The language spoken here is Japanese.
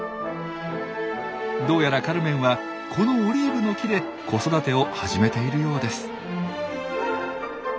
どうやらカルメンはこのオリーブの木で子育てを始めているようです。